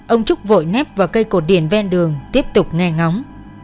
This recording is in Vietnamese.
ông trúc vội nép vào cây cột điện ven đường tiếp tục nghe ngóng